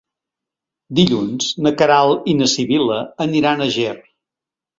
Dilluns na Queralt i na Sibil·la aniran a Ger.